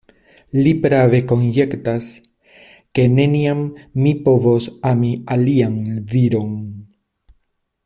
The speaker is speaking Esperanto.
Li prave konjektas, ke neniam mi povos ami alian viron.